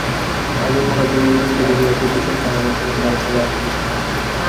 আজন্মকাল তিনি মহিনকে দেখিয়া আসিতেছেন, তাহার মতো এমন ভালো ছেলে আছে কোথায়।